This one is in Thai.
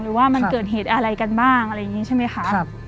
ว่ามันเกิดเหตุอะไรกันบ้างอะไรอย่างนี้ใช่ไหมคะ